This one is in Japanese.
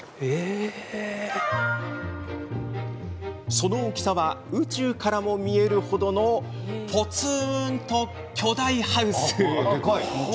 その大きさは宇宙からも見える程のぽつんと、巨大ハウス。